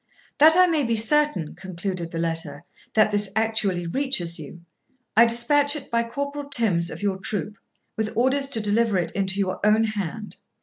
'That I may be certain,' concluded the letter, 'that this actually reaches you, I despatch it by Corporal Tims of your troop, with orders to deliver it into your own hand.'